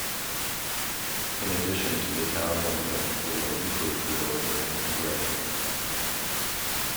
In addition to the town of Longido, the ward includes the village of Engikareti.